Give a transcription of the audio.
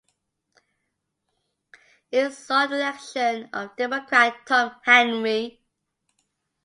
It saw the election of Democrat Tom Henry.